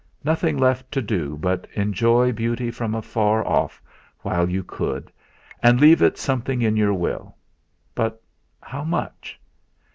Nothing left to do but enjoy beauty from afar off while you could, and leave it something in your Will. But how much?